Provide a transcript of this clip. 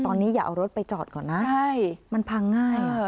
ตอนนี้อย่าเอารถไปจอดก่อนนะใช่มันพังง่าย